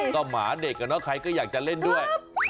ก็หมาเด็กอะเนาะใครก็อยากจะเล่นด้วย